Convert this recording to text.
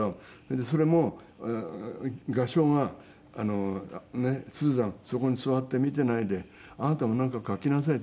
それも画商が「スーザンそこに座って見ていないであなたもなんか描きなさい」って。